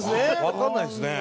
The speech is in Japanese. わかんないですね。